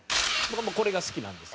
これが好きなんです。